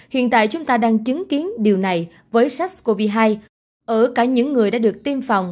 hiện tại chúng ta đang chứng kiến điều này với sars cov hai ở cả những người đã được tiêm phòng